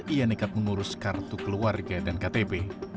ia nekat mengurus kartu keluarga dan ktp